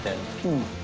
うん。